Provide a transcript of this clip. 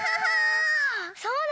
そうだ！